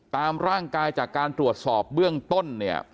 ตามร่างกายจากการตรวจสอบเบื้องต้นเนี่ย